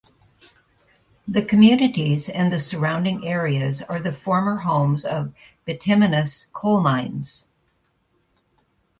The communities and the surrounding areas are the former homes of bituminous coal mines.